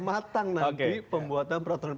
matang nanti pembuatan peraturan